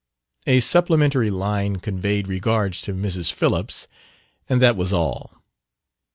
A supplementary line conveyed regards to Mrs. Phillips. And that was all.